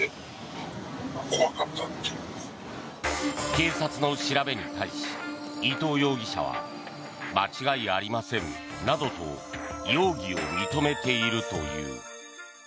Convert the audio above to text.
警察の調べに対し伊藤容疑者は間違いありませんなどと容疑を認めているという。